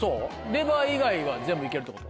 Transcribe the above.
レバー以外は全部いけるってこと？